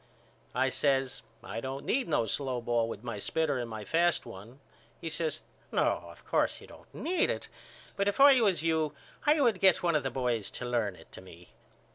I says I don't need no slow ball with my spitter and my fast one. He says No of course you don't need it but if I was you I would get one of the boys to learn it to me.